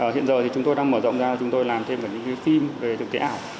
hiện giờ thì chúng tôi đang mở rộng ra chúng tôi làm thêm cả những phim về thực tế ảo